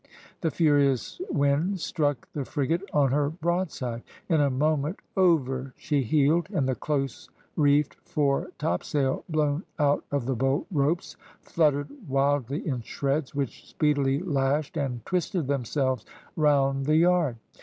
The furious wind struck the frigate on her broadside. In a moment over she heeled, and the close reefed fore topsail, blown out of the bolt ropes, fluttered wildly in shreds, which speedily lashed and twisted themselves round the yard.